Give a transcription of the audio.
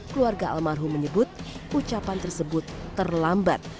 keluarga almarhum menyebut ucapan tersebut terlambat